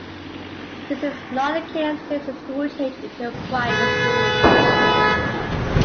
This is not the case since the school changed into a private school.